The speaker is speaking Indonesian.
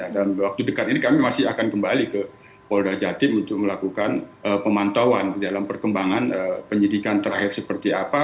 dalam waktu dekat ini kami masih akan kembali ke polda jatim untuk melakukan pemantauan di dalam perkembangan penyidikan terakhir seperti apa